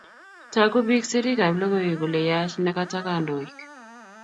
tagu piik sirik ab logoiywek kole yaach ne kata kandoik